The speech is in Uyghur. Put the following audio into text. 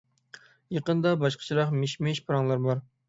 يېقىندا باشقىچىراق مىش-مىش پاراڭلار بار.